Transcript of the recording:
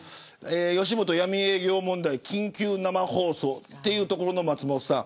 吉本闇営業問題、緊急生放送そこでの松本さん